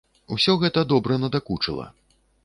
Усё гэта добра надакучыла.